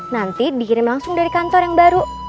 nanti dikirim langsung dari kantor yang baru